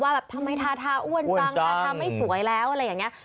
แบบทำไมทาทาอ้วนจังทาทาไม่สวยแล้วอะไรอย่างนี้